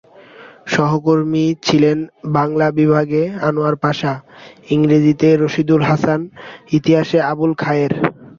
সহকর্মী ছিলেন বাংলা বিভাগে আনোয়ার পাশা, ইংরেজিতে রশীদুল হাসান, ইতিহাসে আবুল খায়ের।